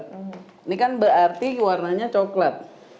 ini kan berarti warnanya coklat